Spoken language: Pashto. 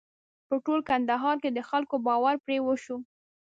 په ټول کندهار کې د خلکو باور پرې وشو.